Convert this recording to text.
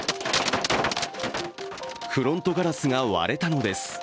フロントガラスが割れたのです。